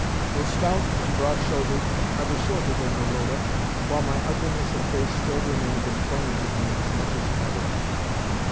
Though stout and broad shouldered, I was shorter than Woloda, while my ugliness of face still remained and tormented me as much as ever.